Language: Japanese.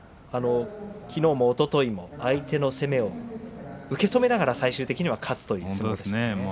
きのうもおとといも相手の攻めを受け止めながら最終的には勝つという相撲でした。